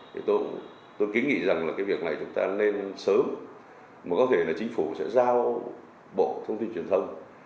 thì tôi kính nghĩ rằng là cái việc này chúng ta nên sớm mà có thể là chính phủ sẽ giao bộ thông tin truyền thông